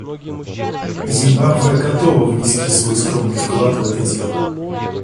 Зимбабве готова внести свой скромный вклад в это дело.